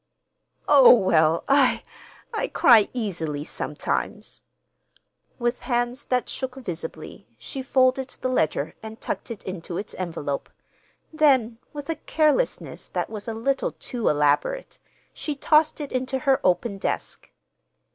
"Oh, well, I—I cry easily sometimes." With hands that shook visibly, she folded the letter and tucked it into its envelope. Then with a carelessness that was a little too elaborate, she tossed it into her open desk.